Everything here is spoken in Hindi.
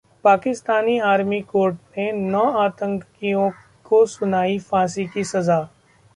पाकिस्तानी आर्मी कोर्ट ने नौ आतंकियों को सुनाई फांसी की सजा